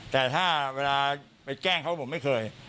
แต่ถ้าเวลาไปแกล้งเขาผมไม่เคย